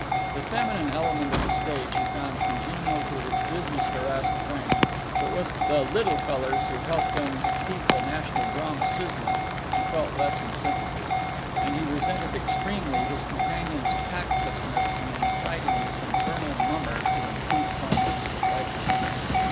The feminine element of the stage he found congenial to his business harassed brain, but with the "little fellers" who helped them to keep the national drama sizzling he felt less in sympathy; and he resented extremely his companion's tactlessness in inciting this infernal mummer to intrude upon his privacy.